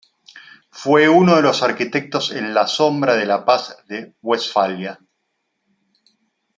Fue uno de los arquitectos en la sombra de la Paz de Westfalia.